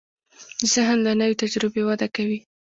ذهن له نوې تجربې وده کوي.